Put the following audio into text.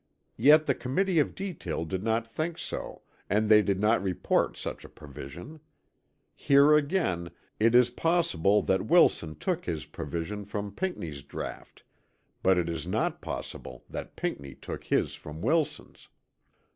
Yet the Committee of Detail did not think so and they did not report such a provision. Here again it is possible that Wilson took his provision from Pinckney's draught, but it is not possible that Pinckney took his from Wilson's.